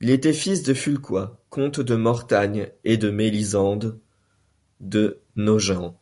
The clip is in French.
Il était fils de Fulcois, comte de Mortagne, et de Mélisende de Nogent.